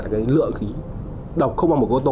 có thể gây lượng khí độc không bằng một ô tô